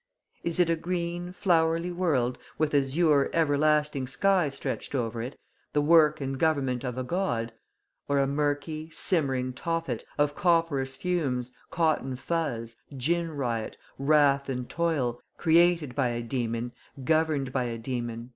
Is it a green, flowery world, with azure everlasting sky stretched over it, the work and government of a God; or a murky, simmering Tophet, of copperas fumes, cotton fuz, gin riot, wrath and toil, created by a Demon, governed by a Demon?"